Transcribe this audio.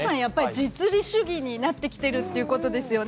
実利主義になってきているということですね。